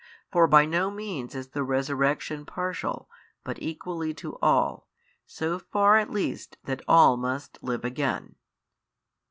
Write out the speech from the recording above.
For by no means is the Resurrection partial, but equally to all, so far at least that all must live again.